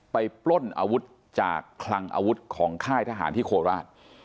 ปล้นอาวุธจากคลังอาวุธของค่ายทหารที่โคราช